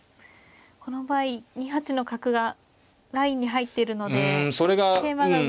この場合２八の角がラインに入っているので桂馬が動けないんですね。